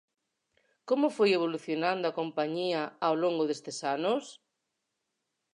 Como foi evolucionando a compañía ao longo destes anos?